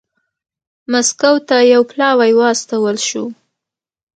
مسکو ته یو پلاوی واستول شو.